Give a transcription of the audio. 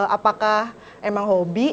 apakah emang hobi